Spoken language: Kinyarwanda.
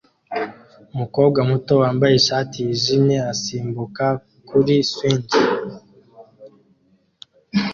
Umukobwa muto wambaye ishati yijimye asimbuka kuri swing